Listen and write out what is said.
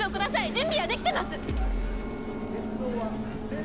準備はできてます！